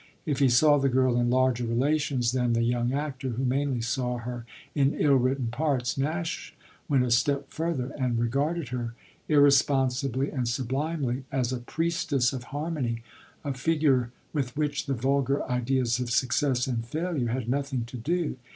If he saw the girl in larger relations than the young actor, who mainly saw her in ill written parts, Nash went a step further and regarded her, irresponsibly and sublimely, as a priestess of harmony, a figure with which the vulgar ideas of success and failure had nothing to do.